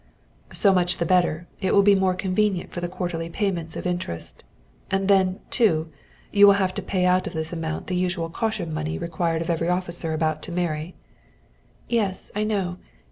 "So much the better, it will be more convenient for the quarterly payments of interest. And then, too, you will have to pay out of this amount the usual caution money required of every officer about to marry." "Yes, I know.